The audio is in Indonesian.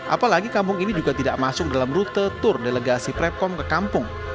apalagi kampung ini juga tidak masuk dalam rute tour delegasi prepkom ke kampung